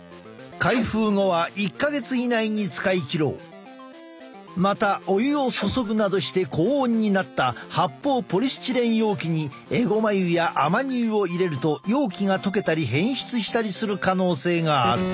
オメガ３はまたお湯を注ぐなどして高温になった発泡ポリスチレン容器にえごま油やアマニ油を入れると容器が溶けたり変質したりする可能性がある。